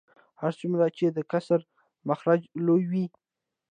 هر څومره چې د کسر مخرج لوی وي